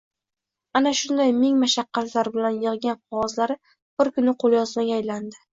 Ana shunday ming mashaqqatlar bilan yiqqan qog’ozlari bir kuni qo’lyozmaga aylandi.